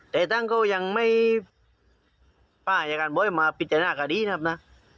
แต่ตั้งก็ยังไม่ป้ายการบ้อยมาปิดจัดหน้าการดีนะครับน่ะ